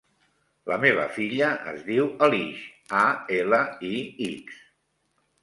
La meva filla es diu Alix: a, ela, i, ics.